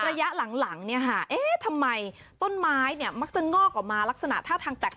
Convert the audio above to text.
ระยะหลังเนี่ยค่ะเอ๊ะทำไมต้นไม้เนี่ยมักจะงอกออกมาลักษณะท่าทางแปลก